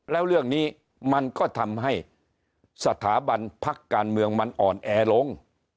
แล้วเรื่องนี้มันก็ทำให้สถาบันพักการเมืองมันอ่อนแอลง